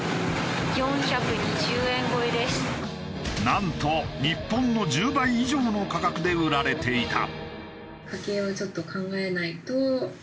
なんと日本の１０倍以上の価格で売られていた。